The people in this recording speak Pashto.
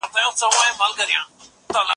لکه شبنم چې د گلاب د دوبي لمر ووهي